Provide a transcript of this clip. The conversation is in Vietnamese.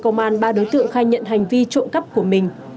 các đối tượng khai nhận hành vi trộm cắp của mình